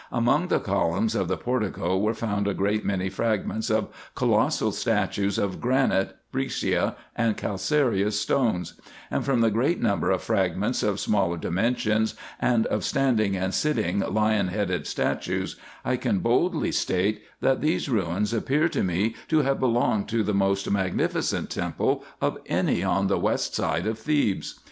Among the columns of the portico were found a great many frag ments of colossal statues of granite, breccia, and calcareous stones ; and from the great number of fragments of smaller dimensions, and of standing and sitting lion headed statues, I can boldly state, that these ruins appear to me to have belonged to the most magnificent IN EGYPT, NUBIA, &c. 293 temple of any on the west side of Thebes.